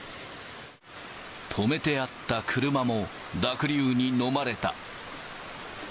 止めてあった車も、濁流にのまれた。